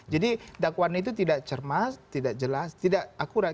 jadi dakwannya itu tidak cermat tidak jelas tidak akurat